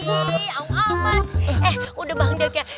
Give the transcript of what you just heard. ih awal amat eh udah bangdang ya